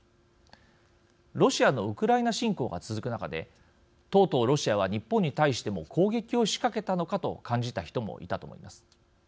ロシアのウクライナ侵攻が続く中でとうとうロシアは日本に対しても攻撃を仕掛けたのかと感じた人もいたと思います。